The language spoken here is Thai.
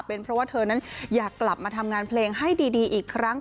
เป็นเพราะว่าเธอนั้นอยากกลับมาทำงานเพลงให้ดีอีกครั้ง